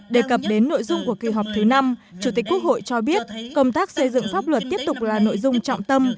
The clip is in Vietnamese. đề cập đến nội dung của kỳ họp thứ năm chủ tịch quốc hội cho biết công tác xây dựng pháp luật tiếp tục là nội dung trọng tâm